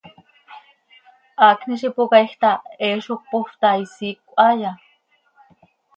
Haacni z ipocaaij ta, hee zo cöpoofp ta ¿isiicö haaya?